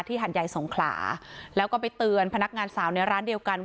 หัดใหญ่สงขลาแล้วก็ไปเตือนพนักงานสาวในร้านเดียวกันว่า